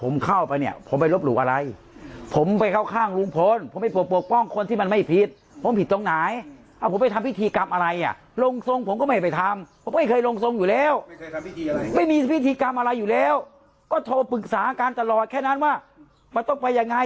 มันจะหาอาการตลอดแค่นั้นว่ามันต้องไปยังไง